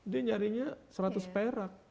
dia nyarinya seratus perak